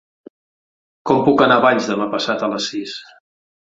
Com puc anar a Valls demà passat a les sis?